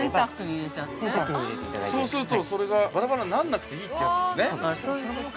◆そうすると、それがばらばらにならなくていいというやつですね。